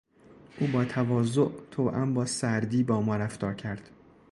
او با تواضع توام با سردی با ما رفتار کرد.